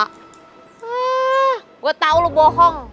wah gue tau lu bohong